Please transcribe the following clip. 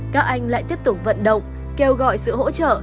các anh lại tiếp tục vận động kêu gọi sự hỗ trợ